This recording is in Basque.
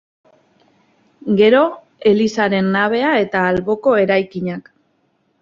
Gero, elizaren nabea eta alboko eraikinak.